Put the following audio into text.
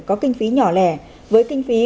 có kinh phí nhỏ lẻ với kinh phí